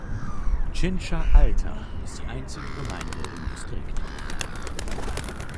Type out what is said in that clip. Chincha Alta ist die einzige Gemeinde im Distrikt.